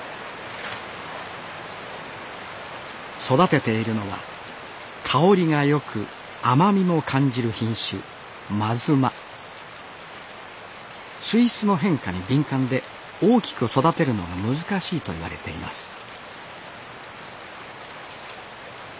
育てているのは香りが良く甘みも感じる品種水質の変化に敏感で大きく育てるのが難しいと言われています